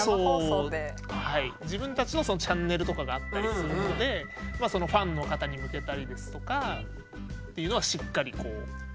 自分たちのチャンネルとかがあったりするのでそのファンの方に向けたりですとかっていうのはしっかりこうそこで。